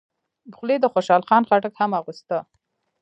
خولۍ د خوشحال خان خټک هم اغوسته.